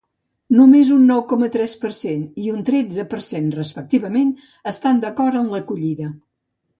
Només un nou coma tres per cent i un tretze per cent respectivament estan d’acord en l’acollida.